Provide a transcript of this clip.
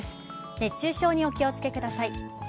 熱中症にお気をつけください。